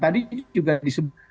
tadi juga disebut